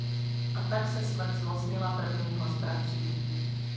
A tak se Smrt zmocnila prvního z bratří.